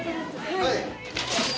はい。